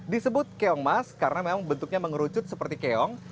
disebut keongmas karena memang bentuknya mengerucut seperti keong